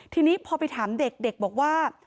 ทีนี้พอไปถามเด็กเด็กบอกว่า